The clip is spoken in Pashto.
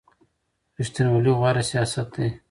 ریښتینولي غوره سیاست دی.